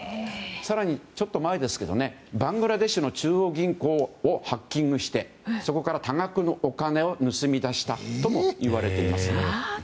更に、ちょっと前ですけどバングラデシュの中央銀行をハッキングして、そこから多額のお金を盗み出したとも言われていますね。